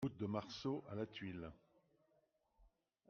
Route de Marceau à Lathuile